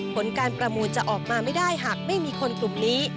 ผลการประมูลจะออกมาไม่ได้หากไม่มีคนกลุ่มนี้